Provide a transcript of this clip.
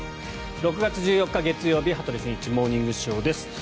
６月１４日、月曜日「羽鳥慎一モーニングショー」。